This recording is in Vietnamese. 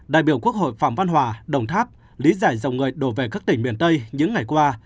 đại biểu quốc hội phạm văn hòa đồng tháp lý giải dòng người đổ về các tỉnh miền tây những ngày qua